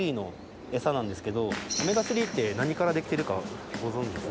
オメガ３って何から出来てるかご存じですか？